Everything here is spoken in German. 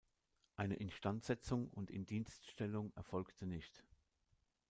Eine Instandsetzung und Indienststellung erfolgte nicht.